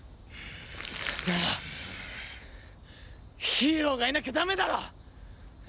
ならヒーローがいなきゃダメだろ！